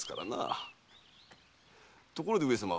ところで上様。